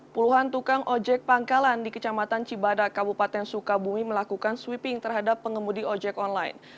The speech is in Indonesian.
puluhan tukang ojek pangkalan di kecamatan cibadak kabupaten sukabumi melakukan sweeping terhadap pengemudi ojek online